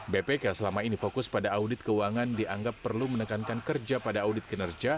bpk selama ini fokus pada audit keuangan dianggap perlu menekankan kerja pada audit kinerja